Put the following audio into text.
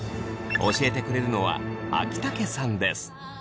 教えてくれるのは秋竹さんです。